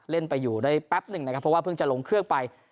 เล่นไปอยู่ได้แป๊บหนึ่งนะครับเพราะว่าเพิ่งจะลงเครื่องไป